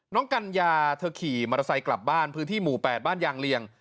กัญญาเธอขี่มอเตอร์ไซค์กลับบ้านพื้นที่หมู่๘บ้านยางเลียง